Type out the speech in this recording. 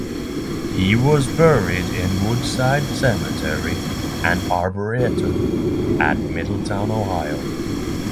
He was buried in Woodside Cemetery and Arboretum at Middletown, Ohio.